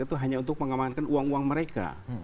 itu hanya untuk mengamankan uang uang mereka